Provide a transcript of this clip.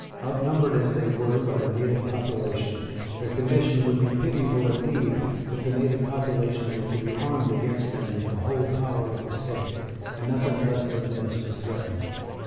Outnumbered as they were by the native population, their condition would be pitiable indeed if the native population were to be armed against them with the whole power of the state; and nothing less than this was threatened.